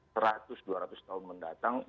seratus dua ratus tahun mendatang